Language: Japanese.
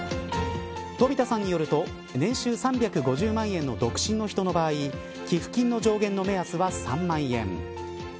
飛田さんによると年収３５０万円の独身の人の場合給付金の上限の目安は３万円。